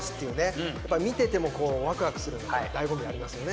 見ててもワクワクするだいご味ありますよね。